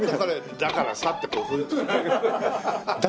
だからさってこう。